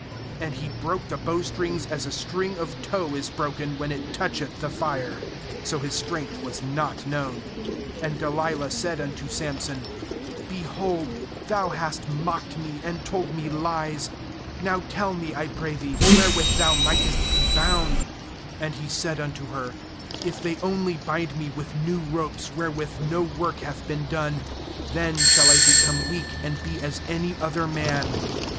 And he broke the bowstrings as a string of tow is broken when it toucheth the fire. So his strength was not known. 10And Delilah said unto Samson: 'Behold, thou hast mocked me, and told me lies; now tell me, I pray thee, where with thou mightest be bound/ "And he said unto her: 'If they only bind me with new ropes wherewith no work hath been done, then shall I become weak, and be as any other man.'